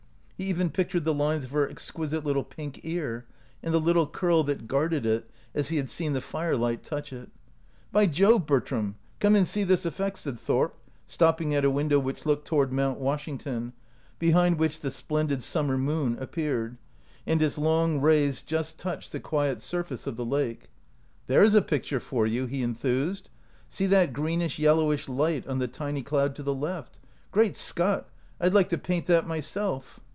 He even pic tured the lines of her exquisite little pink ear, and a little curl that guarded it, as he had seen the firelight touch it. " By Jove, Bertram, come and see this effect," said Thorp, stopping at a window which looked toward Mount Washington, behind which the splendid summer moon appeared, and its long rays just touched the OUT OF BOHEMIA quiet surface of the lake. " There's a pic ture for you! " he enthused. "See that green ish yellowish light on the tiny cloud to the left. Great Scott! I'd like to paint that myself."